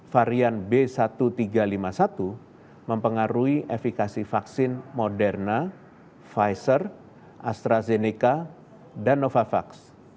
varian b satu tiga lima satu mempengaruhi efekasi vaksin moderna pfizer astrazeneca dan novavax